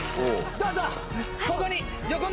どうぞ。